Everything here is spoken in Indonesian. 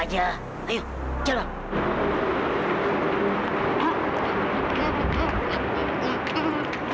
ada yang gadis